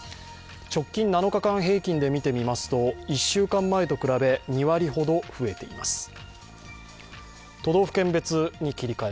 直近７日間平均で見てみますと１週間前と比べ２割ほど増えています。